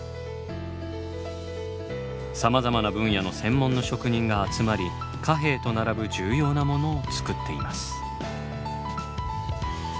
さまざまな分野の専門の職人が集まり貨幣と並ぶ重要なものを造っています。